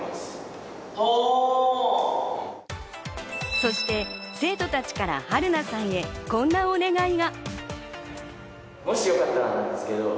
そして生徒たちから春菜さんへこんなお願いが。